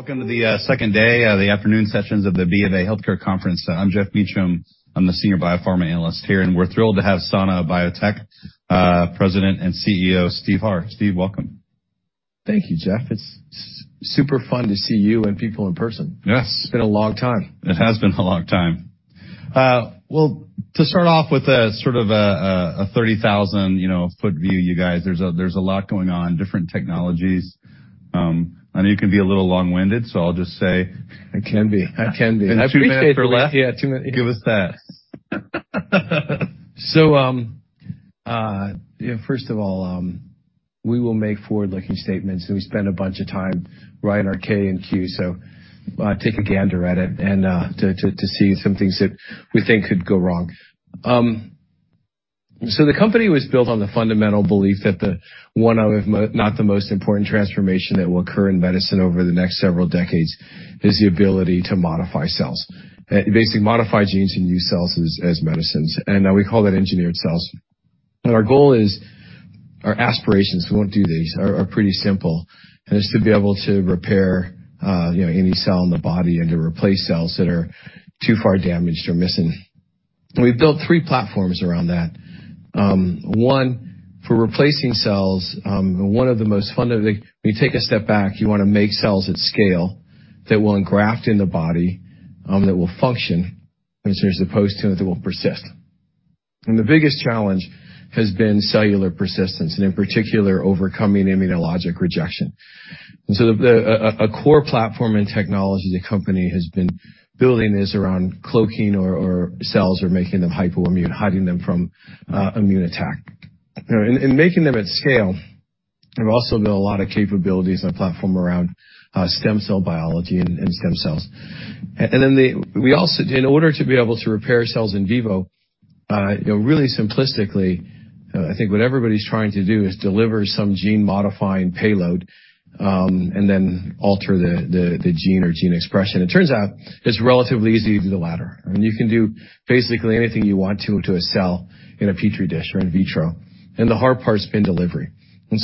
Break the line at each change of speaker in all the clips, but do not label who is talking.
Welcome to the second day, the afternoon sessions of the BofA Healthcare Conference. I'm Geoff Meacham. I'm the Senior Pharma Analyst here, and we're thrilled to have Sana Biotechnology, President and CEO, Steve Harr. Steve, welcome.
Thank you, Geoff. It's super fun to see you and people in person.
Yes.
It's been a long time.
It has been a long time. Well, to start off with a sort of a 30,000-foot view, you guys, there's a lot going on, different technologies. I know you can be a little long-winded, so I'll just say.
I can be.
Too mad for left.
Yeah, too many.
Give us that.
Yeah, first of all, we will make forward-looking statements, and we spend a bunch of time writing our 10-K and 10-Q, so take a gander at it and to see some things that we think could go wrong. The company was built on the fundamental belief that one of the most important transformation that will occur in medicine over the next several decades is the ability to modify cells. Basically modify genes in new cells as medicines, and we call that engineered cells. Our goal is our aspirations, we won't do these, are pretty simple, and it's to be able to repair, you know, any cell in the body and to replace cells that are too far damaged or missing. We've built three platforms around that. When you take a step back, you wanna make cells at scale that will engraft in the body, that will function as opposed to that will persist. The biggest challenge has been cellular persistence, and in particular, overcoming immunologic rejection. The core platform and technology the company has been building is around cloaking or cells or making them hypoimmune, hiding them from immune attack. Making them at scale. We've also built a lot of capabilities and platform around stem cell biology and stem cells. In order to be able to repair cells in vivo, you know, really simplistically, I think what everybody's trying to do is deliver some gene modifying payload, and then alter the gene or gene expression. It turns out it's relatively easy to do the latter, and you can do basically anything you want to a cell in a Petri dish or in vitro, and the hard part's been delivery.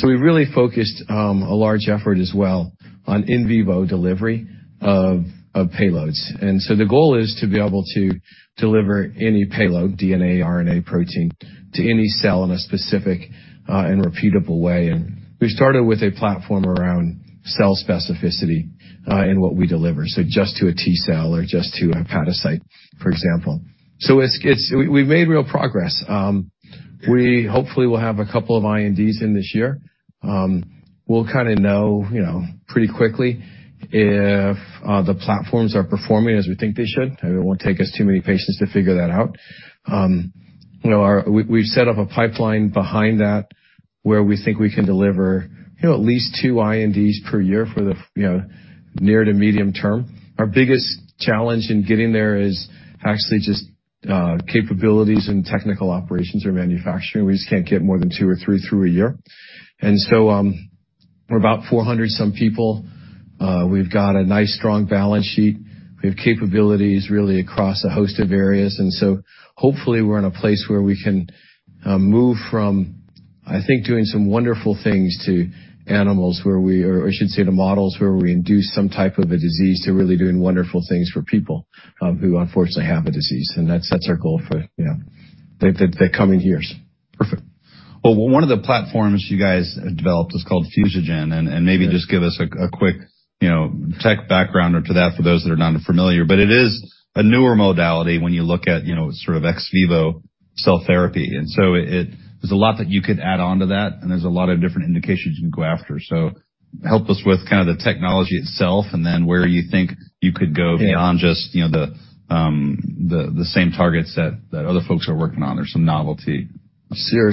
We really focused a large effort as well on in vivo delivery of payloads. The goal is to be able to deliver any payload, DNA, RNA, protein, to any cell in a specific and repeatable way. We started with a platform around cell specificity in what we deliver, so just to a T cell or just to a hepatocyte, for example. We've made real progress. We hopefully will have a couple of INDs in this year. We'll kinda know, you know, pretty quickly if the platforms are performing as we think they should. It won't take us too many patients to figure that out. We've set up a pipeline behind that, where we think we can deliver, you know, at least two INDs per year for the, you know, near to medium term. Our biggest challenge in getting there is actually just capabilities and technical operations or manufacturing. We just can't get more than two or three through a year. We're about 400-some people. We've got a nice, strong balance sheet. We have capabilities really across a host of areas, and so hopefully we're in a place where we can move from, I think, doing some wonderful things to the models where we induce some type of a disease to really doing wonderful things for people who unfortunately have a disease. That's our goal for, you know, the coming years.
Perfect. Well, one of the platforms you guys developed is called Fusogen.
Yes.
Maybe just give us a quick, you know, tech background or to that for those that are not familiar. It is a newer modality when you look at, you know, sort of ex vivo cell therapy. It is a lot that you could add on to that, and there's a lot of different indications you can go after. Help us with kind of the technology itself, and then where you think you could go.
Yeah.
Beyond just, you know, the same targets that other folks are working on. There's some novelty.
Sure.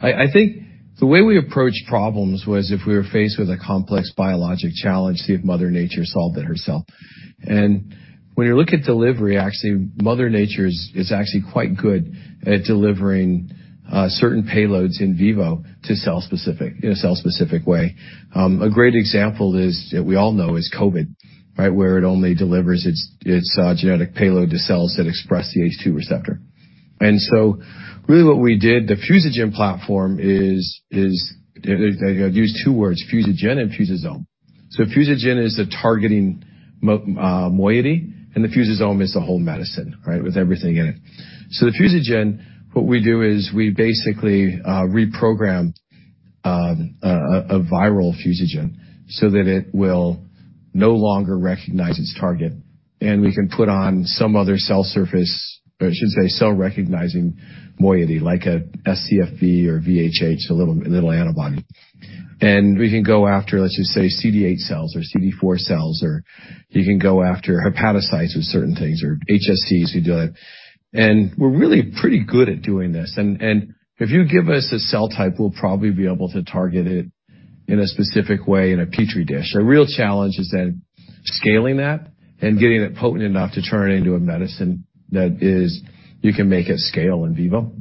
I think the way we approach problems was if we were faced with a complex biologic challenge, see if Mother Nature solved it herself. When you look at delivery, actually, Mother Nature is actually quite good at delivering certain payloads in vivo to cell-specific way. A great example that we all know is COVID, right? Where it only delivers its genetic payload to cells that express the ACE2 receptor. Really what we did, the Fusogen platform is. I'll use two words, Fusogen and Fusosome. Fusogen is the targeting moiety, and the Fusosome is the whole medicine, right? With everything in it. The Fusogen, what we do is we basically reprogram a viral Fusogen so that it will no longer recognize its target. We can put on some other cell surface, or I should say, cell-recognizing moiety, like a scFv or VHH, a little antibody. We can go after, let's just say, CD8 cells or CD4 cells, or you can go after hepatocytes with certain things or HSCs who do it. We're really pretty good at doing this. And if you give us a cell type, we'll probably be able to target it in a specific way in a Petri dish. The real challenge is then scaling that and getting it potent enough to turn it into a medicine that is, you can make at scale in vivo.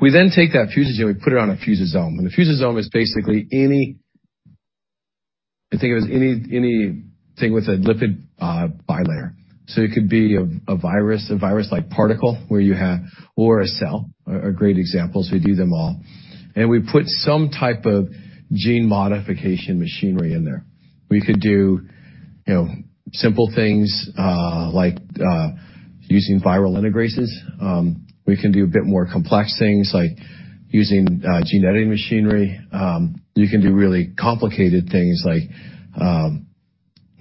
We then take that Fusogen, we put it on a Fusosome, and the Fusosome is basically any... I think it was anything with a lipid bilayer. It could be a virus, a virus-like particle where you have or a cell, are great examples. We do them all. We put some type of gene modification machinery in there. We could do, you know, simple things like using viral integrases. We can do a bit more complex things like using gene editing machinery. You can do really complicated things like, you know,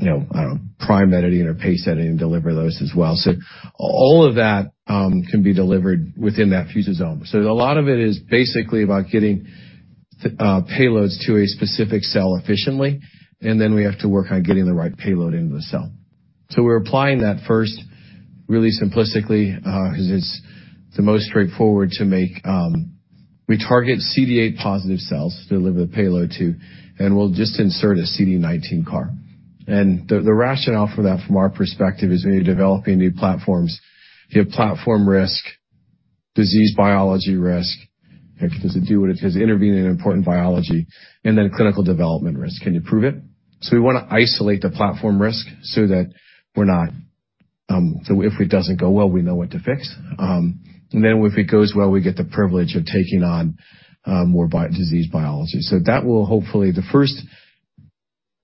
I don't know, prime editing or base editing, deliver those as well. All of that can be delivered within that Fusosome. A lot of it is basically about getting payloads to a specific cell efficiently, and then we have to work on getting the right payload into the cell. We're applying that first, really simplistically, 'cause it's the most straightforward to make. We target CD8-positive cells to deliver the payload to, and we'll just insert a CD19 CAR. The rationale for that from our perspective is when you're developing new platforms, you have platform risk, disease biology risk. Like, does it intervene in important biology? Clinical development risk. Can you prove it? We wanna isolate the platform risk so that we're not... If it doesn't go well, we know what to fix. If it goes well, we get the privilege of taking on more disease biology. That will hopefully... The first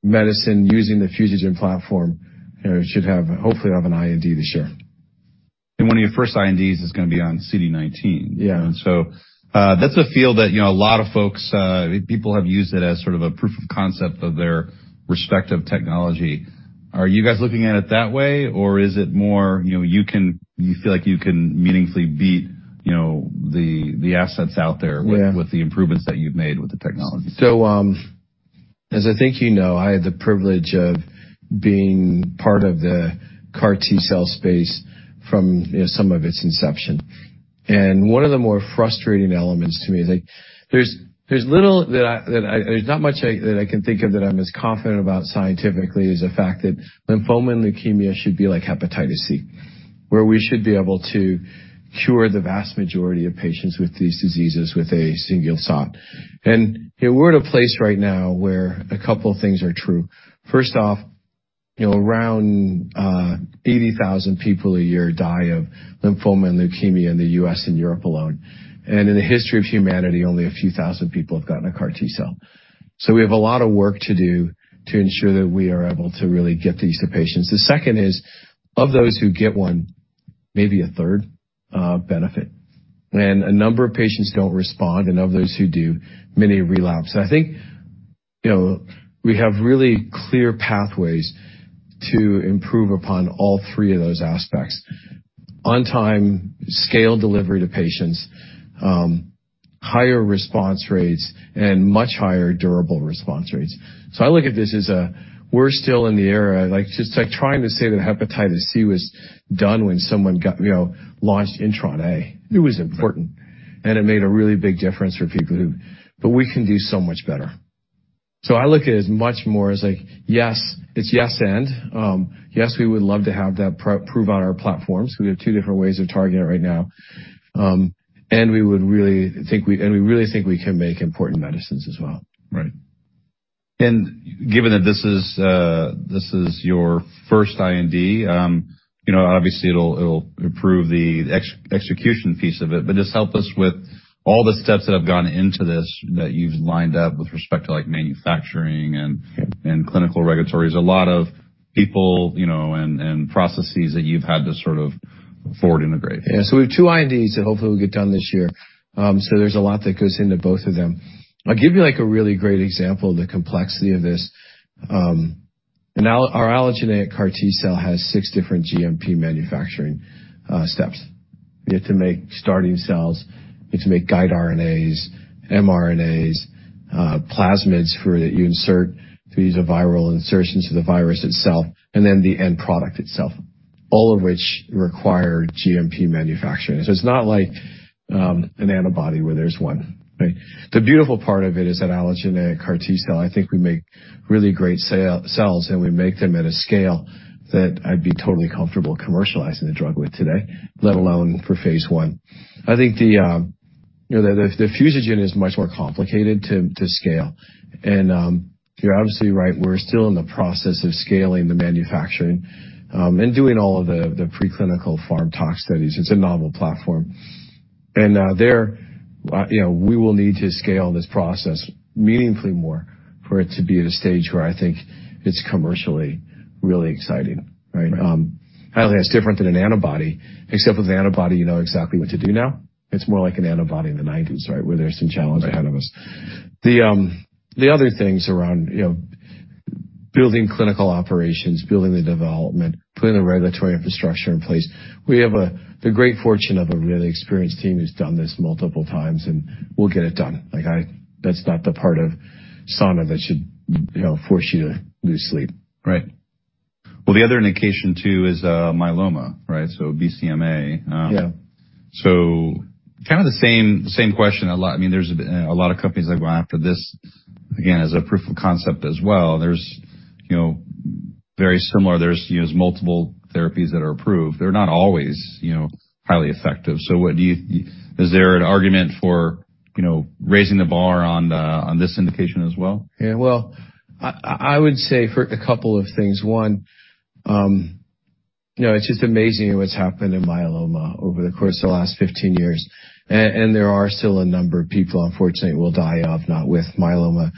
medicine using the Fusogen platform should hopefully have an IND this year.
One of your first INDs is gonna be on CD19.
Yeah.
That's a field that, you know, a lot of folks, people have used it as sort of a proof of concept of their respective technology. Are you guys looking at it that way, or is it more, you know, you feel like you can meaningfully beat, you know, the assets out there.
Yeah.
With the improvements that you've made with the technology?
As I think you know, I had the privilege of being part of the CAR T-cell space from, you know, some of its inception. One of the more frustrating elements to me is like there's not much I can think of that I'm as confident about scientifically is the fact that lymphoma and leukemia should be like hepatitis C, where we should be able to cure the vast majority of patients with these diseases with a single shot. You know, we're at a place right now where a couple things are true. First off, you know, around 80,000 people a year die of lymphoma and leukemia in the U.S. and Europe alone. In the history of humanity, only a few thousand people have gotten a CAR T-cell. We have a lot of work to do to ensure that we are able to really get these to patients. The second is, of those who get one, maybe a third benefit. A number of patients don't respond, and of those who do, many relapse. I think, you know, we have really clear pathways to improve upon all three of those aspects: on-time scaled delivery to patients, higher response rates, and much higher durable response rates. I look at this as we're still in the era. Like, just like trying to say that hepatitis C was done when someone got, you know, launched Intron A. It was important, and it made a really big difference for people. But we can do so much better. I look at it as much more as like, yes, it's yes and. Yes, we would love to have that prove on our platforms. We have two different ways of targeting it right now. We really think we can make important medicines as well.
Right. Given that this is your first IND, you know, obviously it'll improve the execution piece of it, but just help us with all the steps that have gone into this that you've lined up with respect to, like, manufacturing and
Yeah.
Clinical regulatory. A lot of people, you know, and processes that you've had to sort of forward integrate.
Yeah. We have two INDs that hopefully will get done this year. There's a lot that goes into both of them. I'll give you, like, a really great example of the complexity of this. Our allogeneic CAR T-cell has six different GMP manufacturing steps. We have to make starting cells, we have to make guide RNAs, mRNAs, plasmids for that you insert to use a viral integrase to the virus itself, and then the end product itself, all of which require GMP manufacturing. It's not like an antibody where there's one, right? The beautiful part of it is that allogeneic CAR T-cell, I think we make really great cells, and we make them at a scale that I'd be totally comfortable commercializing the drug with today, let alone for phase I. I think the Fusogen is much more complicated to scale. You're obviously right. We're still in the process of scaling the manufacturing and doing all of the preclinical pharm tox studies. It's a novel platform. You know, we will need to scale this process meaningfully more for it to be at a stage where I think it's commercially really exciting, right? But that's different than an antibody, except with an antibody, you know exactly what to do now. It's more like an antibody in the nineties, right, where there's some challenge ahead of us. The other things around, you know, building clinical operations, building the development, putting the regulatory infrastructure in place, we have the great fortune of a really experienced team who's done this multiple times, and we'll get it done. That's not the part of Sana that should, you know, force you to lose sleep.
Right. Well, the other indication too is, myeloma, right? BCMA.
Yeah.
Kinda the same question a lot. I mean, there's a lot of companies have gone after this, again, as a proof of concept as well. There's, you know, very similar. There's, you know, there's multiple therapies that are approved. They're not always, you know, highly effective. Is there an argument for you know, raising the bar on this indication as well?
Yeah, well, I would say a couple of things. One, you know, it's just amazing what's happened in myeloma over the course of the last 15 years. And there are still a number of people, unfortunately, will die of, not with myeloma.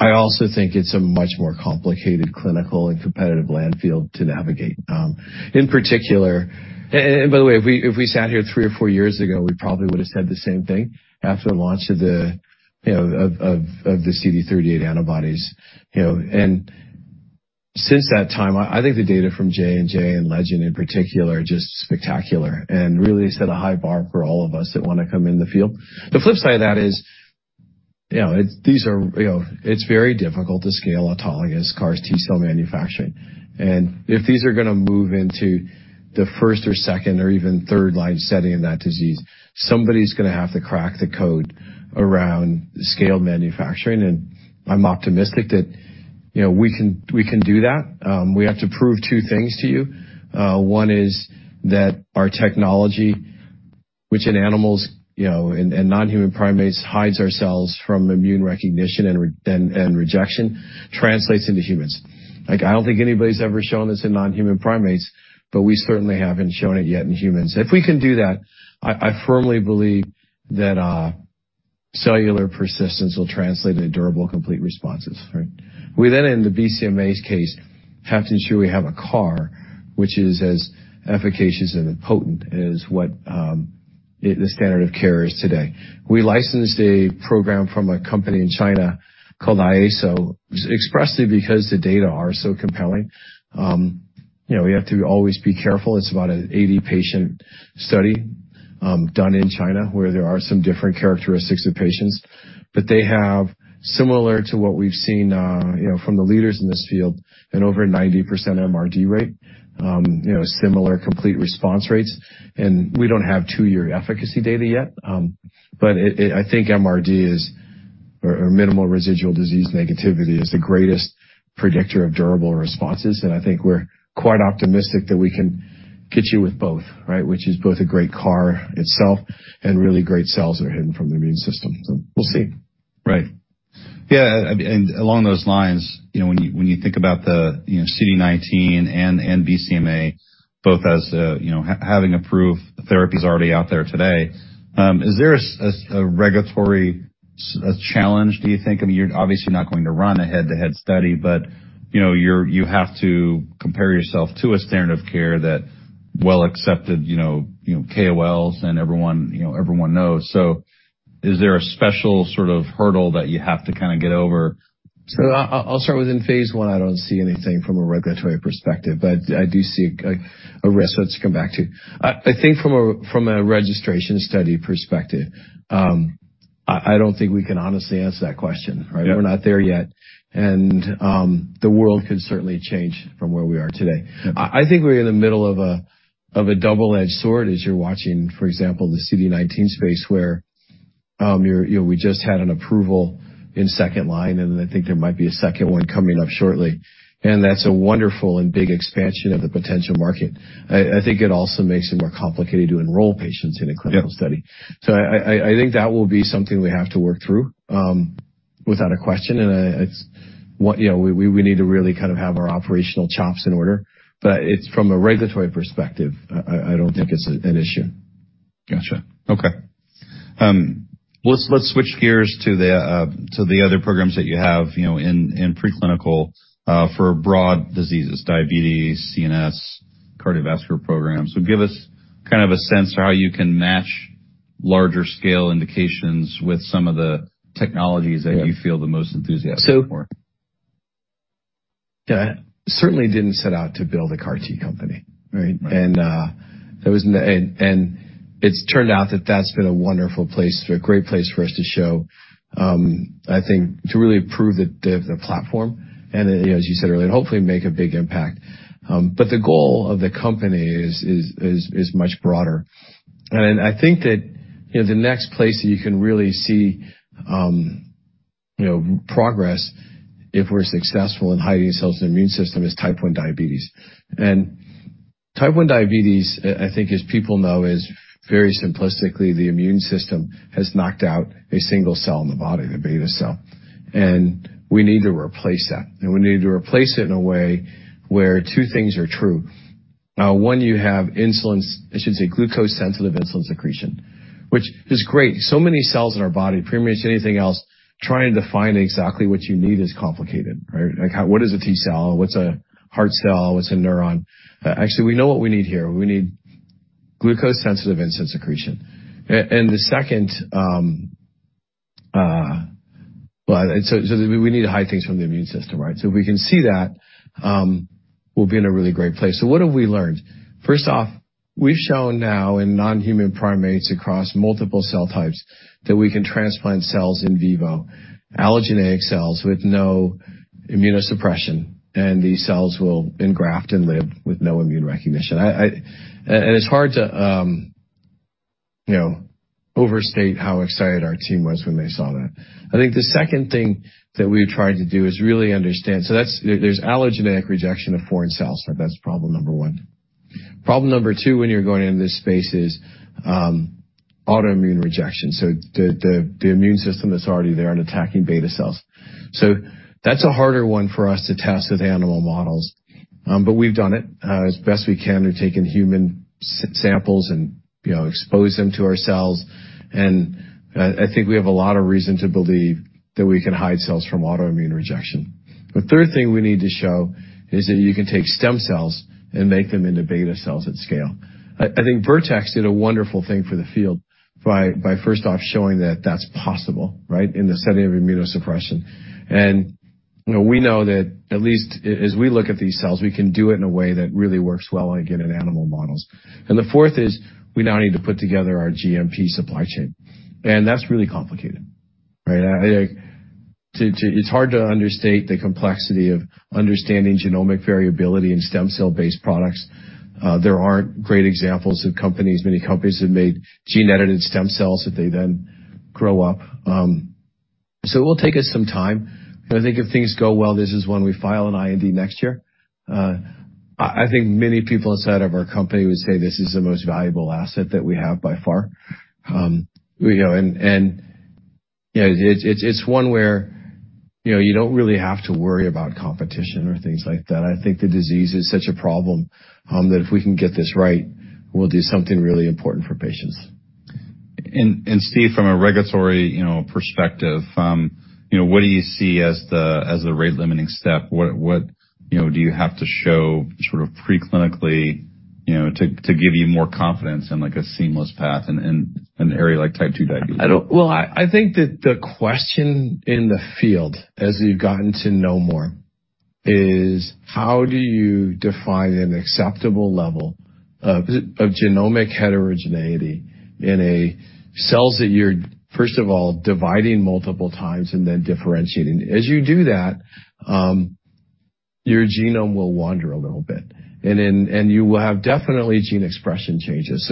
I also think it's a much more complicated clinical and competitive landscape to navigate, in particular. And by the way, if we, if we sat here three or four years ago, we probably would have said the same thing after the launch of the, you know, of the CD38 antibodies, you know? Since that time, I think the data from J&J and Legend in particular are just spectacular and really set a high bar for all of us that wanna come in the field. The flip side of that is, you know, these are, you know, it's very difficult to scale autologous CAR T-cell manufacturing. If these are gonna move into the first or second or even third line setting in that disease, somebody's gonna have to crack the code around scale manufacturing. I'm optimistic that, you know, we can, we can do that. We have to prove two things to you. One is that our technology, which in animals, you know, and non-human primates hides our cells from immune recognition and rejection, translates into humans. Like, I don't think anybody's ever shown this in non-human primates, but we certainly haven't shown it yet in humans. If we can do that, I firmly believe that cellular persistence will translate into durable, complete responses, right? We, in the BCMA's case, have to ensure we have a CAR which is as efficacious and potent as what the standard of care is today. We licensed a program from a company in China called IASO, expressly because the data are so compelling. You know, we have to always be careful. It's about an 80-patient study done in China, where there are some different characteristics of patients, but they have similar to what we've seen, you know, from the leaders in this field an over 90% MRD rate, you know, similar complete response rates. We don't have two-year efficacy data yet, but I think MRD, or minimal residual disease negativity, is the greatest predictor of durable responses. I think we're quite optimistic that we can get there with both, right? Which is both a great CAR itself and really great cells that are hidden from the immune system. We'll see.
Right. Yeah, along those lines, you know, when you think about the, you know, CD19 and BCMA both as, you know, having approved therapies already out there today, is there a regulatory challenge, do you think? I mean, you're obviously not going to run a head-to-head study, but, you know, you're. You have to compare yourself to a standard of care that well accepted, you know, you know, KOLs and everyone, you know, everyone knows. Is there a special sort of hurdle that you have to kinda get over?
I'll start with in phase I, I don't see anything from a regulatory perspective, but I do see a risk that's come back to you. I think from a registration study perspective, I don't think we can honestly answer that question, right?
Yeah.
We're not there yet. The world could certainly change from where we are today.
Yeah.
I think we're in the middle of a double-edged sword as you're watching, for example, the CD19 space where you know we just had an approval in second line, and I think there might be a second one coming up shortly. That's a wonderful and big expansion of the potential market. I think it also makes it more complicated to enroll patients in a clinical study.
Yeah.
I think that will be something we have to work through without a question. It's what, you know, we need to really kind of have our operational chops in order. It's from a regulatory perspective, I don't think it's an issue.
Gotcha. Okay. Let's switch gears to the other programs that you have, you know, in preclinical for broad diseases, diabetes, CNS, cardiovascular programs. Give us kind of a sense of how you can match larger scale indications with some of the technologies.
Yeah.
that you feel the most enthusiastic for.
Certainly didn't set out to build a CAR-T company, right?
Right.
It's turned out that that's been a wonderful place, a great place for us to show, I think to really prove the platform and as you said earlier, hopefully make a big impact. But the goal of the company is much broader. I think that, you know, the next place that you can really see, you know, progress if we're successful in hiding cells in the immune system is type 1 diabetes. Type 1 diabetes, I think as people know, is very simplistically, the immune system has knocked out a single cell in the body, the beta cell, and we need to replace that, and we need to replace it in a way where two things are true. One, you have insulin, I should say glucose-sensitive insulin secretion, which is great. Many cells in our body, pretty much anything else, trying to define exactly what you need is complicated, right? Like, what is a T-cell? What's a heart cell? What's a neuron? Actually, we know what we need here. We need glucose-sensitive insulin secretion. And the second, Well, so we need to hide things from the immune system, right? If we can see that, we'll be in a really great place. What have we learned? First off, we've shown now in non-human primates across multiple cell types that we can transplant cells in vivo, allogeneic cells with no immunosuppression, and these cells will engraft and live with no immune recognition. It's hard to, you know, overstate how excited our team was when they saw that. I think the second thing that we've tried to do is really understand. There's allogeneic rejection of foreign cells, right? That's problem number one. Problem number two when you're going into this space is autoimmune rejection. The immune system that's already there and attacking beta cells. That's a harder one for us to test with animal models. But we've done it as best we can. We've taken human samples and, you know, exposed them to our cells. I think we have a lot of reason to believe that we can hide cells from autoimmune rejection. The third thing we need to show is that you can take stem cells and make them into beta cells at scale. I think Vertex did a wonderful thing for the field by first off showing that that's possible, right? In the setting of immunosuppression. You know, we know that at least as we look at these cells, we can do it in a way that really works well, again, in animal models. The fourth is we now need to put together our GMP supply chain. That's really complicated, right? It's hard to understate the complexity of understanding genomic variability in stem cell-based products. There aren't great examples of companies. Many companies have made gene-edited stem cells that they then grow up. So it will take us some time. I think if things go well, this is when we file an IND next year. I think many people inside of our company would say this is the most valuable asset that we have by far. You know, you know, it's one where, you know, you don't really have to worry about competition or things like that. I think the disease is such a problem that if we can get this right, we'll do something really important for patients.
Steve, from a regulatory perspective, you know, what do you see as the rate limiting step? What, you know, do you have to show sort of pre-clinically to give you more confidence in like a seamless path in an area like type 1 diabetes?
Well, I think that the question in the field as we've gotten to know more is how do you define an acceptable level of genomic heterogeneity in cells that you're, first of all, dividing multiple times and then differentiating. As you do that, your genome will wander a little bit, and you will have definite gene expression changes.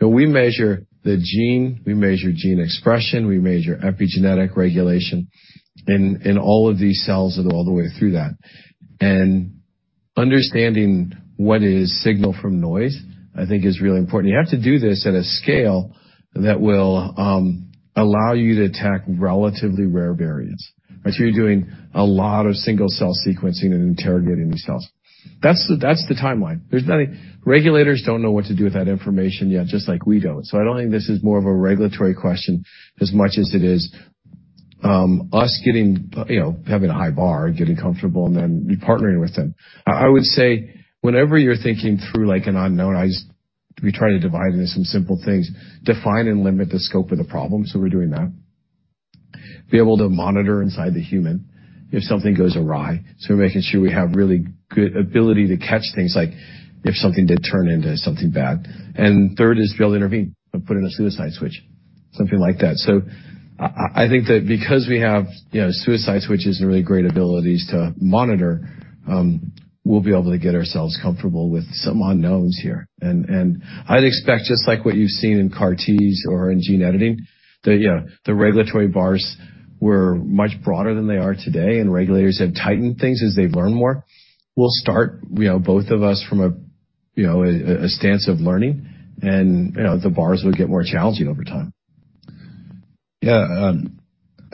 We measure the genome, we measure gene expression, we measure epigenetic regulation in all of these cells and all the way through that. Understanding what is signal from noise, I think is really important. You have to do this at a scale that will allow you to attack relatively rare variants. Right? You're doing a lot of single-cell sequencing and interrogating these cells. That's the timeline. There's nothing. Regulators don't know what to do with that information yet, just like we don't. I don't think this is more of a regulatory question as much as it is, us getting, you know, having a high bar and getting comfortable and then partnering with them. I would say whenever you're thinking through like an unknown, we try to divide into some simple things, define and limit the scope of the problem, so we're doing that. Be able to monitor inside the human if something goes awry, so making sure we have really good ability to catch things like if something did turn into something bad. Third is to be able to intervene and put in a suicide switch, something like that. I think that because we have, you know, suicide switches and really great abilities to monitor, we'll be able to get ourselves comfortable with some unknowns here. I'd expect, just like what you've seen in CAR-Ts or in gene editing, that, you know, the regulatory bars were much broader than they are today, and regulators have tightened things as they've learned more. We'll start, you know, both of us from a stance of learning and, you know, the bars will get more challenging over time.
Yeah.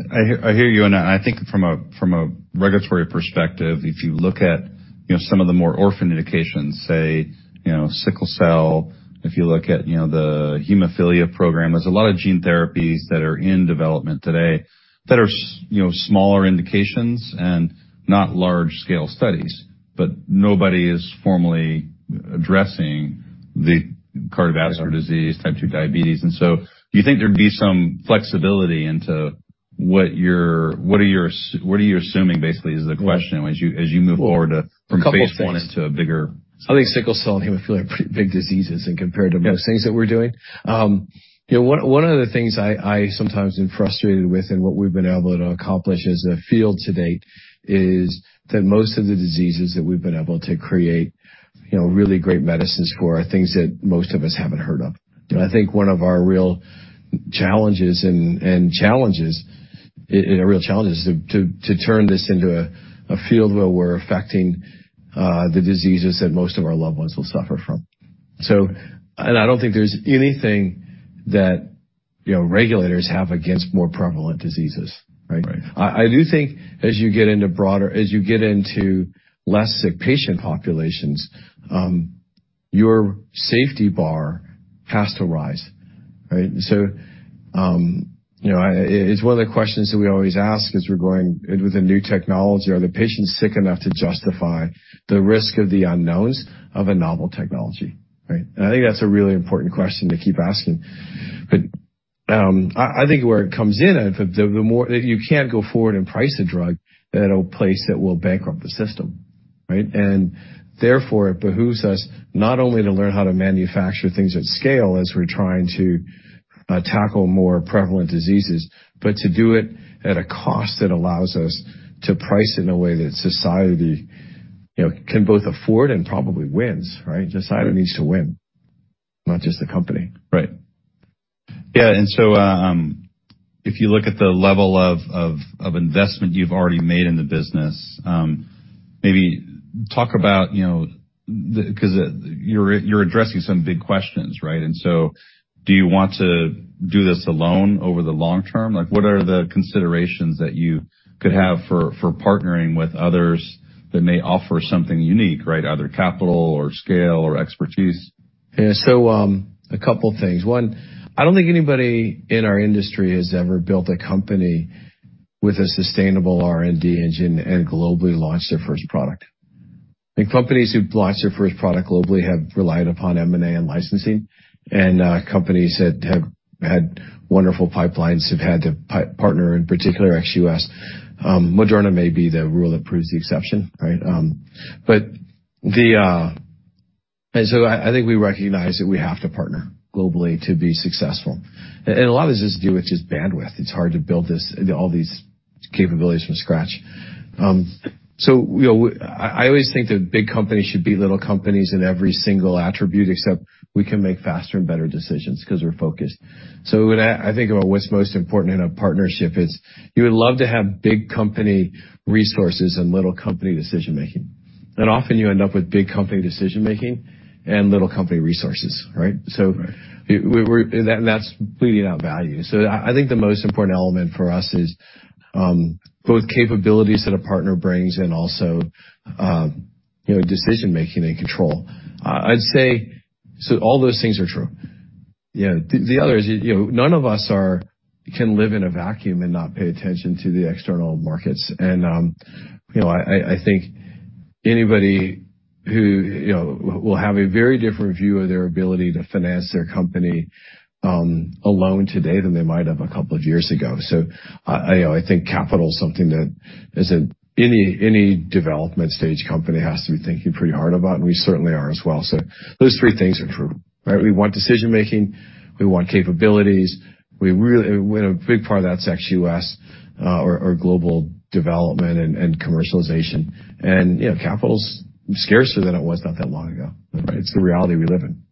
I hear you, and I think from a regulatory perspective, if you look at, you know, some of the more orphan indications, say, you know, sickle cell. If you look at, you know, the hemophilia program, there's a lot of gene therapies that are in development today that are, you know, smaller indications and not large scale studies. But nobody is formally addressing the cardiovascular disease, type 2 diabetes. Do you think there'd be some flexibility into what you're assuming basically is the question as you move forward from phase I into a bigger.
I think sickle cell and hemophilia are pretty big diseases and compared to most things that we're doing. You know, one of the things I sometimes am frustrated with and what we've been able to accomplish as a field to date is that most of the diseases that we've been able to create, you know, really great medicines for are things that most of us haven't heard of. You know, I think one of our real challenges and a real challenge is to turn this into a field where we're affecting the diseases that most of our loved ones will suffer from. I don't think there's anything that, you know, regulators have against more prevalent diseases, right?
Right.
I do think as you get into less sick patient populations, your safety bar has to rise, right? You know, it's one of the questions that we always ask as we're going in with a new technology. Are the patients sick enough to justify the risk of the unknowns of a novel technology, right? I think that's a really important question to keep asking. I think where it comes in. You can't go forward and price a drug at a place that will bankrupt the system, right? Therefore, it behooves us not only to learn how to manufacture things at scale as we're trying to tackle more prevalent diseases, but to do it at a cost that allows us to price in a way that society, you know, can both afford and probably wins, right? Society needs to win, not just the company.
Right. Yeah. If you look at the level of investment you've already made in the business, maybe talk about, you know, 'cause you're addressing some big questions, right? Do you want to do this alone over the long term? Like, what are the considerations that you could have for partnering with others that may offer something unique, right? Either capital or scale or expertise.
Yeah. A couple things. One, I don't think anybody in our industry has ever built a company with a sustainable R&D engine and globally launched their first product. I think companies who've launched their first product globally have relied upon M&A and licensing, and companies that have had wonderful pipelines have had to partner, in particular ex-U.S. Moderna may be the rule that proves the exception, right? I think we recognize that we have to partner globally to be successful. A lot of this has to do with just bandwidth. It's hard to build this, all these capabilities from scratch. You know, I always think that big companies should be little companies in every single attribute, except we can make faster and better decisions 'cause we're focused. When I think about what's most important in a partnership, it's you would love to have big company resources and little company decision-making. Often you end up with big company decision-making and little company resources, right?
Right.
That's bleeding out value. I think the most important element for us is both capabilities that a partner brings and also you know decision-making and control. All those things are true. You know the other is you know none of us can live in a vacuum and not pay attention to the external markets. You know I think anybody who you know will have a very different view of their ability to finance their company alone today than they might have a couple of years ago. I you know I think capital is something that is in any development stage company has to be thinking pretty hard about and we certainly are as well. Those three things are true right? We want decision-making, we want capabilities. A big part of that's ex-U.S., or global development and commercialization. You know, capital's scarcer than it was not that long ago. It's the reality we live in.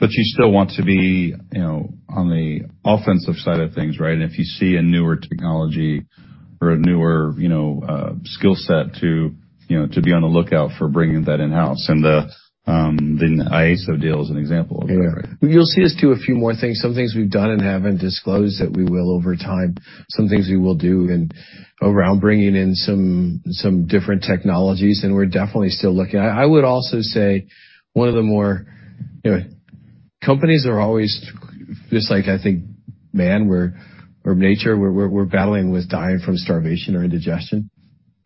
You still want to be, you know, on the offensive side of things, right? And if you see a newer technology or a newer, you know, skill set to, you know, to be on the lookout for bringing that in-house and, then the IASO deal is an example of that, right?
You'll see us do a few more things. Some things we've done and haven't disclosed that we will over time. Some things we will do around bringing in some different technologies, and we're definitely still looking. I would also say one of the more. You know, companies are always just like, I think, man, we're nature. We're battling with dying from starvation or indigestion.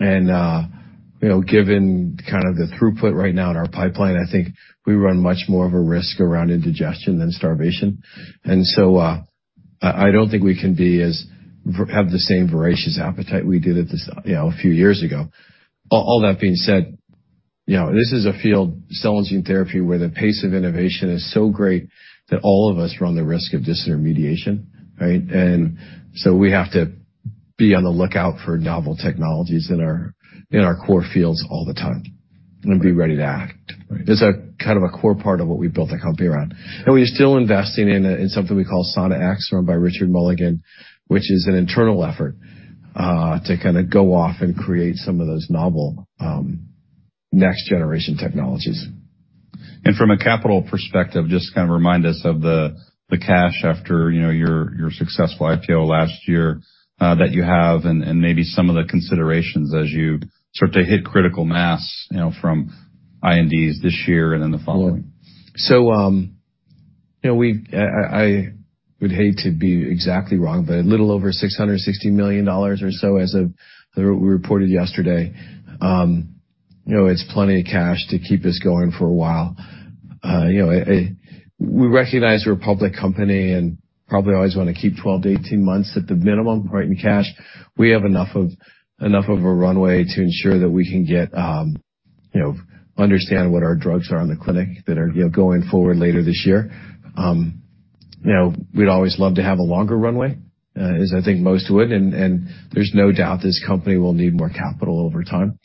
You know, given kind of the throughput right now in our pipeline, I think we run much more of a risk around indigestion than starvation. I don't think we can have the same voracious appetite we did at this, you know, a few years ago. All that being said, you know, this is a field, cell and gene therapy, where the pace of innovation is so great that all of us run the risk of disintermediation, right? We have to be on the lookout for novel technologies in our core fields all the time and be ready to act.
Right.
It's a kind of a core part of what we built the company around. We are still investing in something we call SanaX, run by Richard Mulligan, which is an internal effort to kinda go off and create some of those novel next-generation technologies.
From a capital perspective, just kind of remind us of the cash after your successful IPO last year that you have and maybe some of the considerations as you start to hit critical mass, you know, from INDs this year and in the following.
You know, I would hate to be exactly wrong, but a little over $660 million or so as of what we reported yesterday. You know, it's plenty of cash to keep us going for a while. You know, we recognize we're a public company and probably always wanna keep 12-18 months at the minimum, right, in cash. We have enough of a runway to ensure that we can get, you know, understand what our drugs are in the clinic that are, you know, going forward later this year. You know, we'd always love to have a longer runway, as I think most would. There's no doubt this company will need more capital over time,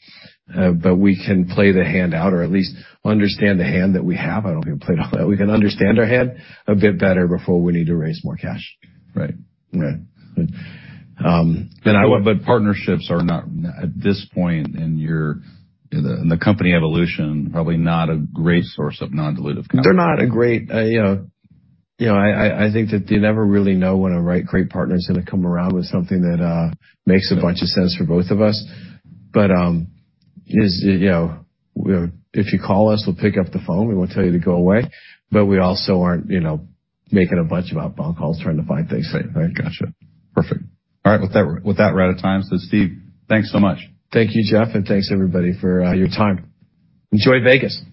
but we can play the hand out or at least understand the hand that we have. I don't think we played all that. We can understand our hand a bit better before we need to raise more cash.
Right.
Right.
Partnerships are not, at this point in the company evolution, probably not a great source of non-dilutive capital.
You know, I think that you never really know when a right great partner is gonna come around with something that makes a bunch of sense for both of us. You know, if you call us, we'll pick up the phone. We won't tell you to go away, but we also aren't, you know, making a bunch of outbound calls trying to find things.
Right. Gotcha. Perfect. All right. With that, we're out of time. Steve, thanks so much.
Thank you, Geoff, and thanks, everybody, for your time. Enjoy Vegas.